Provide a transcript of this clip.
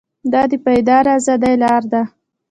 دا د پایداره ازادۍ لاره ده.